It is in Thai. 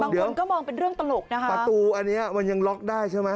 อ๋อเดี๋ยวประตูอันนี้มันยังล็อกได้ใช่ไหม